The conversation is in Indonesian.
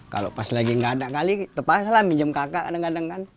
kalau pas lagi nggak ada kali terpaksa lah minjem kakak kadang kadang kan